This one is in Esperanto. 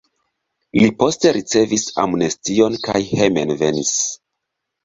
Li poste ricevis amnestion kaj hejmenvenis.